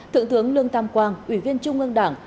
thượng tướng lương tam quang ủy viên trung ương đảng